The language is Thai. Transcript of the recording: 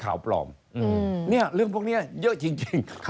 ข่าวปลอมเนี่ยเรื่องพวกนี้เยอะจริง